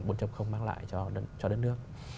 mang lại cho đất nước